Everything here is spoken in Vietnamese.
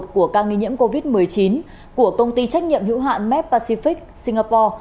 của ca nghi nhiễm covid một mươi chín của công ty trách nhiệm hữu hạn mec pacific singapore